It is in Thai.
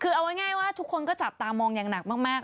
คือเอาง่ายว่าทุกคนก็จับตามองอย่างหนักมาก